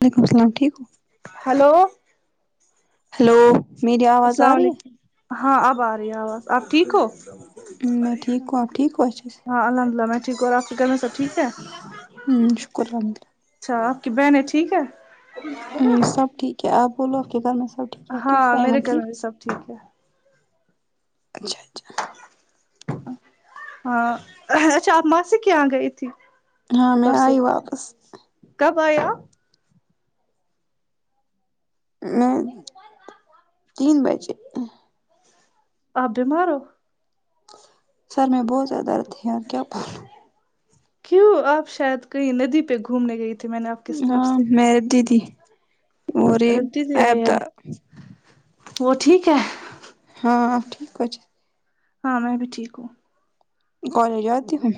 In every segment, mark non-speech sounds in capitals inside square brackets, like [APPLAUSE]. وعلیکم السلام ٹھیک ہو ہیلو ہیلو میری آواز آ السلام رہی علیکم ہے ہاں اب آ رہی ہے آواز آپ ٹھیک ہو میں ٹھیک ہوں آپ ٹھیک ہو اچھے سے ہاں الحمد اللہ میں ٹھیک اور اپ کے گھر میں سب ٹھیک ہے ہوں شکر ال رحمد اللہ اچھا اپ کی بہنیں ٹھیک ہے ا سب ٹھیک ہے آپ بولو آپ کے گھر میں سب ٹھیک ہے اچھے ہاں سے میرے ایمن گھر ٹھیک میں بھی سب ٹھیک ہے اچھا اچھا ہاں اچھا اپ ماںسی کی یہا گئی تھی ہاں میں پرسوں ائی واپس کب ائے اپ میں تین بجے اپ بیمار ہو سر میں بہت زیادہ درد ہے اور کیا بولو کیوں آپ شاید کہیں ندی پہ گھومنے گئی تھی میں نے آپ کے سنپس سے میرب دی دی رٹی دیا یا وہ ٹھیک ہے ہاں ٹھیک کچھ ہاں میں بھی ٹھیک ہوں کالج آتتی ہوں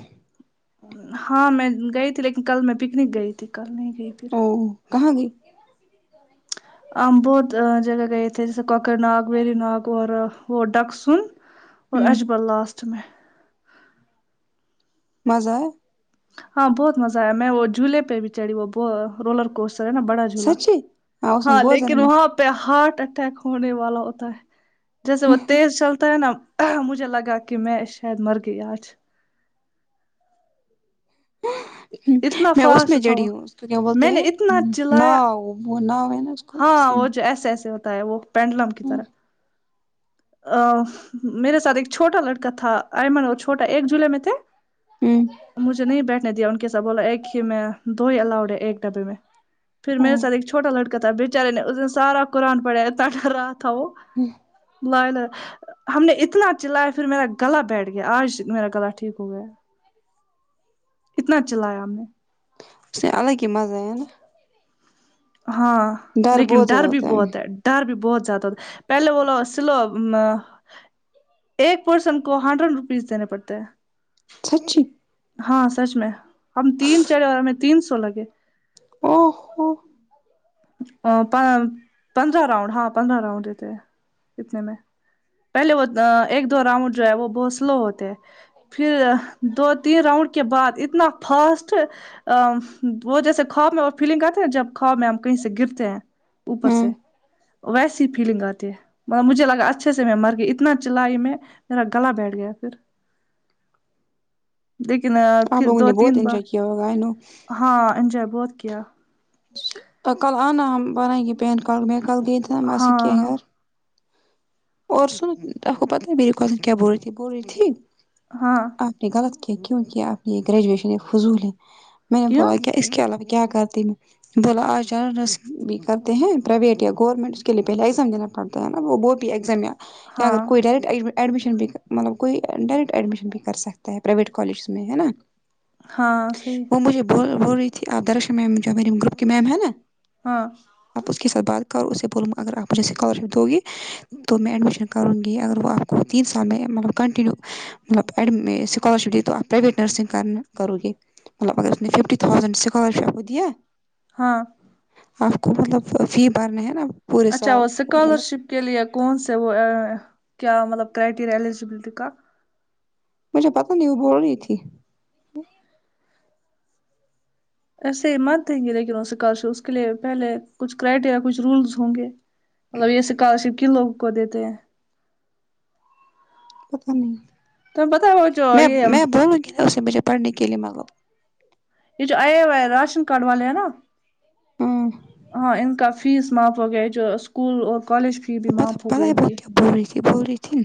ہاں میں گئی تھی لیکن کل میں پکنک گئی تھی کل نہیں گئی ف وہ کہاں گئی ہم بہت جگہ گئے تھے جیسے کوکر ناگ ویری ناگ اور وہ ڈکسن اور ہوں اجبل لاسٹ میں مزہ ہے ہاں بہت مزہ آیا ہے میں وہ جھولے پہ بھی چڑھی وہ رولر کوسر ہے نا بڑا جولا سچی اس میں ہاں بہت لیکن زیادہ وہاں پ پہ ہارٹ اٹیک ہونے والا ہوتا ہے جیسے وہ تیز چلتا ہے نا مجھے لگا کہ میں شاید مرگئی اج ہوں اتنا میں اس فاسٹ میں تھا وہ جڑی ہوں اس کو کیا بولتے میں نے ہیں اتنا چلایا ناؤ وہ ناؤ ہے نا اس کو ہاں اسی میں وہ جو ایسے ایسے ہوتا ہے وہ پینڈلم کی ہوں طرح ا میرے ساتھ ایک چھوٹا لڑکا تھا ایمن اور چھوٹا ایک جولائی میں تھے ہوں مجھے نہیں بیٹھنے دیا ان کے ساتھ بولا ایک ہی میں دو ہی الاؤڈ ہے ایک ڈبے میں پھر میرے ہ سات ایک چھوٹا لڑکا تھا بچارے نے اس دن سار قرآن پڑھا اتنا درر رہا تھا وه ہوں مہینے ہم نے اتنا چلایا پھر میرا گلا بیٹھ گیا آج میرا گلا ٹھیک ہو گیا کتنا چلایا ہم نے اس الگ ہی مزہ ہے نا ہاں لیکن بہت زیادہ ڈر بھی ہوتا بہت ہے ڈر بھی بہت زیادہ ہوتا پہلے وہ لو سلو ایک پرسن کو ہنڈریڈ روپیز دینے پڑتے ہیں سچھی ہاں سچ میں ہم تین چڑھے اور ہمیں تین سو لگے او ہو ا پان پندرہ راؤنڈ ہاں پندرہ راؤنڈ دیتے ہیں کتنے میں پہلے وہ ایک دو راؤنڈ جو ہے وہ بہت سلو ہوتے ہیں پھر دو تین راؤنڈ کے بعد اتنا فاسٹ ا وہ جیسے خواب میں فیلنگ آتے نہ جب خواب میں ہم کہیں سے گرتے ہیں اوپر ہاں سے ویسی فیلنگ آتی ہے م مجھے لگا اچھے سے میں مر گئی اتنا چلائی میں میرا گلا بیٹھ گیا پھر لیکن ا پھر دو تین بار کہ ہوگا نوں ہاں انجوائے بہت کیا ا کل آنا ہم بنائینگے پین کاڈ میر کال دیدے موسی کے ہاں گھر اور سن آپ کو پتہ میری کزن کیا بول رہی تھی بول رہی تھی ہاں آپ نے غلط کی کیوں آپ یہ گریجویشن فضول ہی میں نے کیوں بولا کے اس کے علاوہ میں کیا کرتی میں بولا آج رس بھی کرتے ہیں پرائیویٹ یا گورنمنٹ اس کے لیے پہلے ایگزام دینا پڑتا ہے نا وہ بہت ایگزام یا یا ہاں اگر کوئی ڈائریکٹ عدد ایڈمیشن بھی مطلب کوئی ڈائریکٹ ایڈمیشن بھی کر سکتا ہے پرائیویٹ کالجز میں ہے نا ہاں صحیح بو بول رہی تھی آدرش مجھے میری گروپ کی میم ہے نا ہاں آپ اس کے ساتھ بات کرو اسے بولوں اگر آپ مجھے اسکالرشپ دو گی تو میں ایڈمیشن کرونگی اگر وہ آپکو تین سال میں مطلب کنٹنیو مت اینڈ میں اسکالرشپ دی تو ہم پرائیویٹ نرسنگ کرنا کروگی مطلب اگر اس نے ففٹی تھاؤزنڈ سکالرشپ دیا ہاں آپ کو مطلب فی بھرنے ہے نا پورے اچھا سال ہوسک مطلب اسکالرشپ کے لیے کون سے وہ کیا مطلب کرائٹیریا ایلیجبلٹی کا مجھے پتا نہیں وہ بھول رہی تھی ایسے مت دیں گے لیکن اس سے کش اس کے لیے پہلے کچھ کرائٹیریا کچھ رولز ہوں گے مطلب یہ اسکالر شپ کی لوگ کو دیتے ہیں اہم تمہیں پتا ہے وہ جو میں یہ میں بولوں کہ اسے مجھے پڑھنے کے لیے مگاو یہ جو آیا وا ہے راشن کارڈ والے ہیں نا ھمم ہاں ان کا فیس معاف ہو گیا جو اسکول اور کالج فی بھی پتہ معاف ہو پتا گئی ہے ان کی بول رہی تھی بول رہی تھی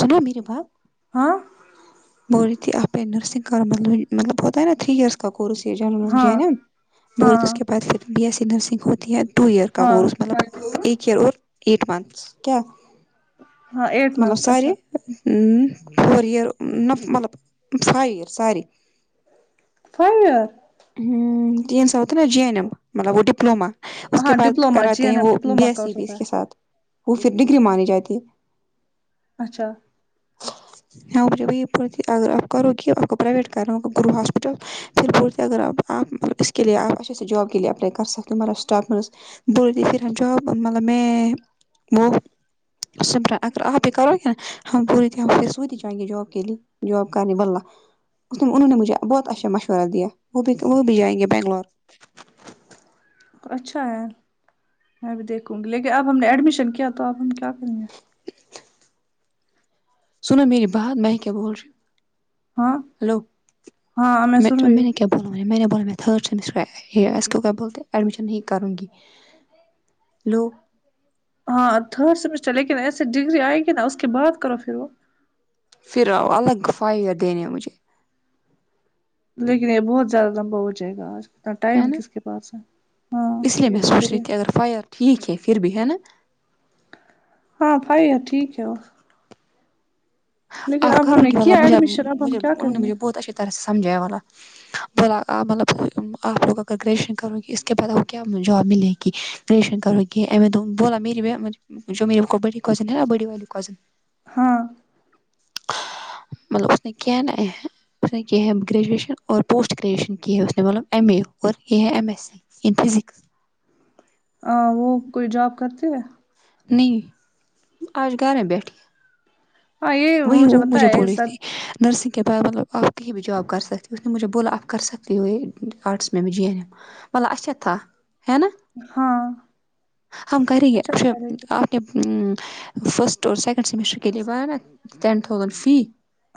سنو میرے بات ہاں بول ری تھی آپ نے نرسنگ کا مطلب مطلب ہوتا تھری ایئر کا کورس یہ جو ہاں مجھے ہے نہ بول تو ہاں اس کے بعد پھر بی ایس سی نرسنگ ہوتی ہے ٹو ایئر کا ہاں کورس مطلب ایک ایئر اور وائیٹ منٹس کیا ہاں ایٹ ملب منتھس سارے اچھا فور ایئیر مل five year sorry five year ہم جینز ہوتے ہیں نا جی این ایم مطلب وہ ڈپلومہ اس کے ہاں بعد ڈپلوما جی کراتے این ہیں ایم وہ B diploma S C course بھی ہوتا اس کے ہے ساتھ وہ پھر ڈگری مانی جاتی ہے اچھا گر آپ کرو آپ کو پرائیویٹ کر رہاو ہاسپٹل پھر اگر اپ اپ اس کے لیے اچ سے جاب کے لیے اپلائی کر سکتے مطلب اسٹاف بولدی پھر ہم جاب مطلب میں وہ سمبران اگر آپ بھی [UNINTELLIGIBLE] کرو کہ ہم پوری طح سوئی جائیں گے جاب کے لیے جاب کرنے والا اس میں انہوں نے مجھے بہت اچھا مشورہ دیا وہ بھی وہ بھی جائے گے بنگلور اچھا ہے میں بھی دیکھوں گی لیکن اب ہم نے ایڈمیشن کیا تو اب ہم کیا کریں گے سنو میری بات میں کیا بول رہی ہوں ہاں ہلو ہاں میں سن رہی میں ہوں نے کیا ب میں نے بولے میں تھرڈ سیمسٹر یہ اس کو بولتے ایڈمیشن ہی کروں گی لو ہاں تھرڈ سمیسٹر لیکن ایسے ڈگری آئے گی نا اس کے بعد کرو پھر وہ پھر آؤ الگ افآیہ دینے مجھے لیکن یہ بہت زیادہ لمبا ہو جائے گا آج اتنا ہے ٹائم نا کس کے پاس ہے ہاں اس لیے یہ میں بھی سوچ صحیح رہی ہے تھی اگر فائر ایئر ٹھیک ہے پھر بھی ہے نا ہاں بھائی ہے ٹھیک ہے وہ آپ اب ہم کرو نے گی کیا مجھے ایڈمیشن اب ہم مجھے کیا انہوں کریں نے گے مجھے بہت اچھی طرح سے سمجھایا والا بولا مطلب آپ لوگ اگر گریجویشن کروں گی اس بعد وہ کیا جاب ملے گی رلیشن کر کی بولا میری [UNINTELLIGIBLE] جو مری بڑی کزن ہے نہ بڑی والی کزن ہاں مطلب اس نے کیا ہے نہ اس نے کیا ہے گریجویشن اور پوسٹ گریجویشن کہ ہیں اس نے بولا ایم بی اے اور یہ ہے M S C in physics ہاں وہ کوئی جاب کرتی ہے نہیں آج گھر بیٹھی ہاں یہ وہی وہ بتا مجھے بول ہے رہی تھی سب نرسنگ کے بعد مطلب آپ کہیں بھی جاب کر سکتے ہو نہیں مجھے بولا آپ کر سکتے ہو یہ آرٹس میں میں یہ میں نے بولا اچھا تھا ہے نا ہاں ہم کرے گے اچھا پے اچھا، اپ نے فرسٹ اور سیکنڈ سیمسٹر کے لیے بھرا نہ ٹین تھاؤزنڈ فی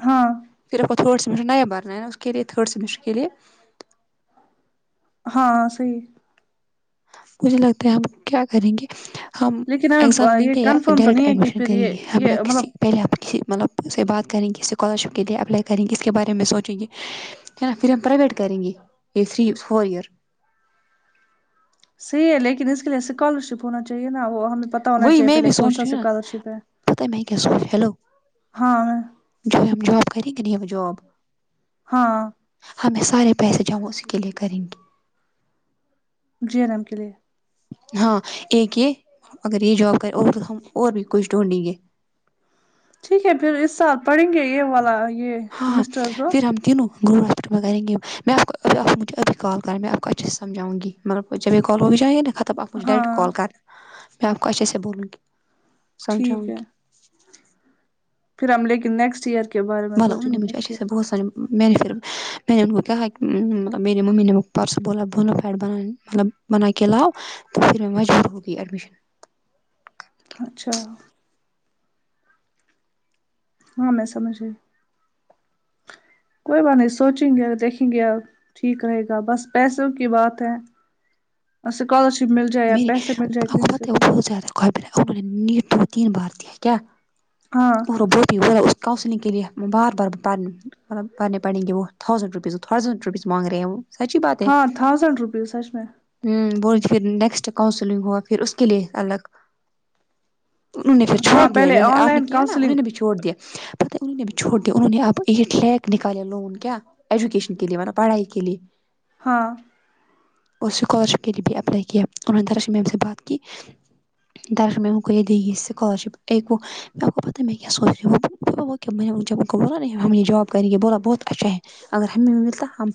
ہاں پھر تھرڈ سم نی بننا ہے نہ اس کے لیے تھرڈ سمسٹر کے لیے ہاں صحیح ہے مجھے لگتا ہے ہم کیا کریں گے ہم لیکن ایگزام ہمیں دیں یہ گے یا کنفرم تو ڈائریکٹ نہیں ہے کہ ایڈمیشن پھر کریں یہ گے ہم یا یہ کسی مطلب پہلے آپ کسی مطلب اس سے بات کریں گے اسکالرشپ کے لیے اپلائی کریں گی اس کے بارے میں سوچیں گے کیا نا پھر ہم پرائیویٹ کریں گے یہ فری فور ایئر صحیح ہے لیکن اس کے لیے اسکالر شپ ہونا چاہیے نا وہ ہمیں پتا ہونا چاہیے پہلے کون سا اسکالر شپ ہے پتا ہے میں کیا [UNINTELLIGIBLE] ہیلو ہاں جو ہم ہم جاب کرینگے ہم جاب ہاں ہمیں سارے پیسے جو ہم اسی کے لیے کریں گے جی انم کے لیے ہاں ایک یہ اگر یہ جاب کر اور ہم اور بھی کچھ ڈھونڈی گے ٹھیک ہے پھر اس سال پڑھیں گے یہ والا یہ ہاں ہاں سمسٹر دو پھر ہم تینوں گر ہاسپٹل میں کریں گے میں آپ [UNINTELLIGIBLE] کوب مجھ ابھی کال کریں میں آپ کو اچھے سے سمجھونگی کال ہو جائے گا ختم تب آپ مجھ ہاں ڈائریکٹ کال کرنا میں آپ کو اچھے سے بولوں گی سمجھاؤں ٹھیک ہے گی پھر ہم لیکن نیکسٹ ایئر کے بارے میں سوچیں والوں گے نےھچ س نیکسٹ ایئر سے بت سان میں نے پھر میں نے انکو کہا مطلب میری نے ممی پرسو بولا بونا فائڈ بنانے مطلب بنا کےلاؤ پھر میں مجبور ہو گئی ایڈمشن اچھا ہاں سمجھ رہی کوئی بات نہیں سوچیں گے دیکھیں گے اب ٹھیک رہے گا بس پیسوں کی بات ہے اسکولرشپ مل جائے یا پیسے مل جائے کہیں سے تو کئی ب ا نی دو تین بات یہ ہے کیا ہاں اور بہت ہی وہ اس کاؤنسلنگ کے لیے میں بار بار بتانا مطلب پڑنے پڑیں گے وہ تھوسنڈ رویز ٹھوسنڈ رویز مانگ رہے ہیں وہ سچی بات ہے ہاں تھاؤزینڈ روپیز سچ میں ہوں پوچھ کے دن دے ایکسٹرا کاؤنسلنگ ہوا پھر اس کے لیے الگ انہوں نے پھر چھوڑ ہاں دیا پہلے جیسے آن آپ نے لائن کیا نا انہوں کاؤنسلنگ نے بھی چھوڑ چھوڑ دیا پتہ انہوں نے بھی چھوڑ دیا انہوں نے اب ایٹ لیک نکالے لون کیا ایجوکیشن کے لیے مطلب پڑھائی کے لیے ہاں وہ اسکالرشپ کے لیے بھی اپلائی کیا انہوں نے درسمین میم سے بات کی درسمیں ان کو یہ دی س اسکالرشپ کیکو آپ کو پتہ ہے میں کیا سونچ رہی ہو کئی نے بولا ہم نیہ جاب کریں گے بولا بہت اچھا ہے اگر ہمیں بھی ملتا ہم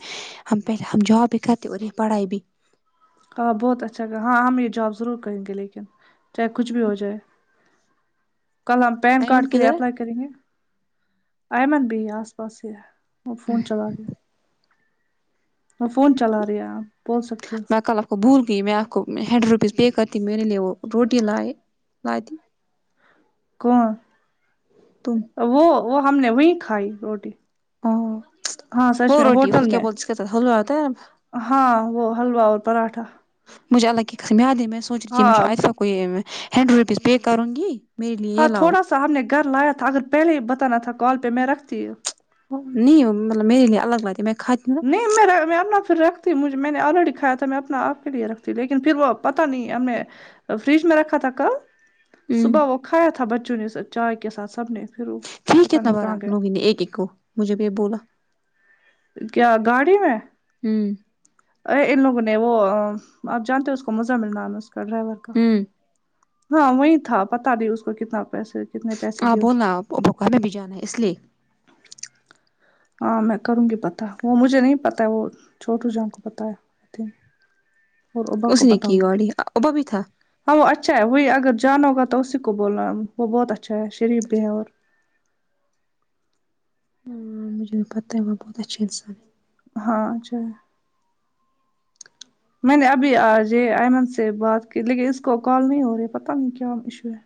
ہم پہلے ہم جاب بھی کرتے اور پڑھائی بھی ہاں بہت اچھا ہاں ہم یہ جاب ضرور لڑیں گے لیکن چاہے کچھ بھی ہو جائے کل ہم پین کارڈ ایمن کے لیے کدھر ہے اپلائی کریں گے ایمن بھی آس پاس سے وہ فون چلا رہے وہ فون چلا رہی ہے بول سکتی ہو میں کل وہ بھول گئی میں آپ کو ہنڈریڈ روپیز پے کرتی میرے لیے وہ روٹی لائے لاتی کون تم وہ وہ ہم نے وہیں کھائی روٹی ہاں ہاں سچ وہ میں روٹی ہوٹل اس کیا میں بولتے اس کے ساتھ حلوا آتا ہے ہاں وہ حلوا اور پراٹھا مجھے اللہ کی قسم ہے آج ہی میں سونچ رہی ٹھی ہاں میں عائشہ کو ہییننڈریڈ روپیز پے کرو گی میرے لیے یہ ہاں لاؤ تھوڑا سا ہم نے گھر لایا تھا اگر پہلے ہی بتانا تھا کال پہ میں رکھتی ہے نہیں مطلب میرے الگ لگاتی میں کھاتی نا نہیں میرا میں اپنا پھر رکھتی مجھے میں نے آلریڈی کھایا تھا میں اپنا آپ کے لیے رکھتی لیکن پھر وہ پتہ نہیں ہمیں فریج میں رکھا تھا کل ہوں صبح وہ کھایا تھا بچوں نے چائے کے ساتھ سب نے پھر وہ ٹھیک پتہ کتنا نہیں بار کہاں آپ لوگ گئے نے ایک ایک کو مجھے بھی یہ بولا کیا گاڑی میں ہوں ا ان لوگوں نے وہ آپ جانتے ہو اس کو مزمل ہے اس کا ڈرائیور کا ہوں ہاں وہی تھا پتا نہیں اس کو کتنا پیسے کتنے پیسے ہاں دیے اس نے، بولا آپ کو ہمیں بھی جانا اس لیے ہاں میں کروں گی پتا وہ مجھے نہیں پتا ہے وہ چھوٹو جان کو پتا ہے اور ابا اسی کو پتہ نکی ہوگا گاڑی ابا بھی تھا ہاں وہ اچھا ہے وہی اگر جانا ہوگا تو اسی کو بولنا ہے وہ بہت اچھا ہے شریف بھی ہے اور امم مجھے پتہ ہے وہ بہت اچھے انسان ہے ہاں اچھا میں نے ابھی آج ہی ایئمن سے بات کی لیکن اس کو کال نہیں ہو رہی ہے پتہ نہیں کیا ایشو ہے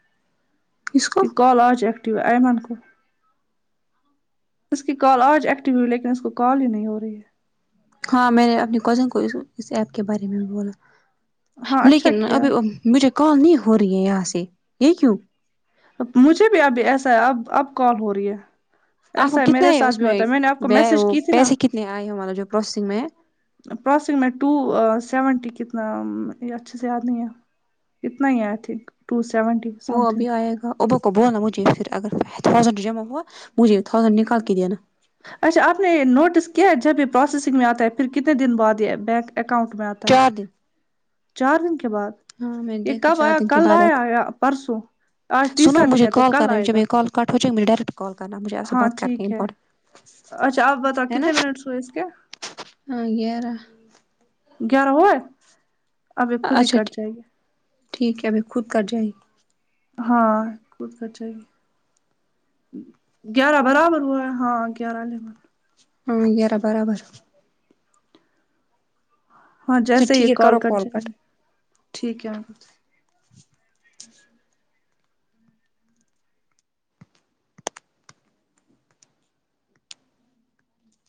ہے اس کو کی کال آج ایکٹیو ہے ایمان کو اس کی کال آج ایکٹیو ہوئی ہے لیکن اس کو کال ہی نہیں ہو رہی ہے ہاں میں نے اپنی کزن کو اس ایپ کے بارے میں بولا ہاں اچھا لیکن کیا ابھی مجھے کال نہیں ہو رہی ہے یہاں سے یہ کیوں مجھے بھی ابھی ایسا ہے اب اب کال ہو رہی ہے آپ کو ایسا کتنا میرے ہے ساتھ اس بھی میں ہوتا ہے نے آپ کو میسج وہ کی تھی نا پیسے کتنے آئے ہو ہمارا جو پروسیسنگ میں ہے پراسیگ میں ٹو سیونٹی کتنا اچھے سے یاد نہیں ہے اتنا ہی I think two seventy some وہ تھنگ ابھی آئے گا آبا کو بولنا مجھے پھر اگر تھاؤزینڈ جمع ہوا مجھے تھاؤزینڈ نکال کے دینا اچھا آپ نے یہ نوٹس کیا ہے جب یہ پروسیسنگ میں آتا ہے پھر کتنے دن بعد یہ بینک اکاؤنٹ میں آتا ہے [UNINTELLIGIBLE] چار دن کے بعد ہاں میں نے یہ دیکھا کب چار آیا دن کے کل بعد آتا آیا یا پرسوں آج سنو تیسرا دن مجھے ہے تو کال کر کل رہے ہیں آئے جب گا میں یہ کال کٹ ہو جائے مجھے ڈریکٹ کال کرنا مجھے آپ سے ہاں بات کرنی ٹھیک ہے امپٹنٹ اچھا آپ بتاؤ کتنے منٹس ہوے اس کے ہاں گیارہ گیارہ ہوا ہے اچھا ٹھیک ٹھیک ہے ابھی خود کٹ جائے گی ہاں خود کٹ جاۓ گی گیارہ برابر ہوا ہاں گیارہ دن ہاں گیارہ برابر ہاں اچھا جیسے ہی ٹھیک ہے کال کرو کٹ جائیے ٹھیک ہے